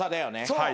はい。